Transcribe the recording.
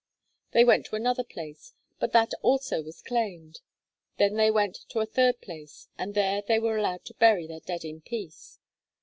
They went to another place, but that also was claimed. Then they went to a third place, and there they were allowed to bury their dead in peace.